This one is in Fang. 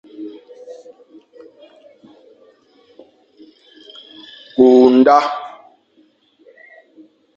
Ñkü nda.